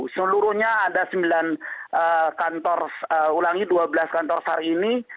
seluruhnya ada sembilan kantor ulangi dua belas kantor sar ini